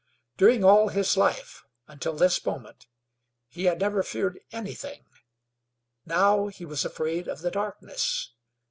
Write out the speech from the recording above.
During all his life, until this moment, he had never feared anything; now he was afraid of the darkness.